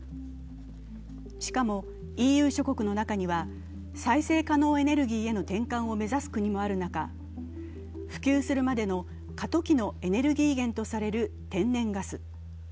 しかもＥＵ諸国の中には再生可能エネルギーへの転換を目指す国もある中普及するまでの過渡期のエネルギー源とされる天然ガス。